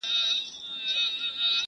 هر سړى پر ځان شكمن سو چي نادان دئ!!